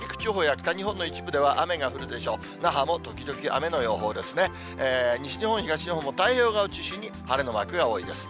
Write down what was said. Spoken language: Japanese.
西日本、東日本も、太平洋側を中心に晴れのマークが多いです。